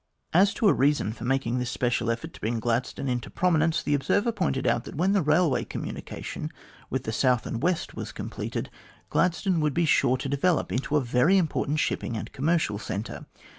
As a reason for making this special effort to bring Gladstone into prominence, the Observer pointed out that when railway communication with the South and the West was completed, Gladstone would be sure to develop into a very important shipping and commercial centre.